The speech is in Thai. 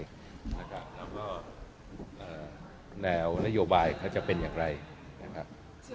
แล้วก็แนวนโยบายเขาจะเป็นอย่างไรนะครับ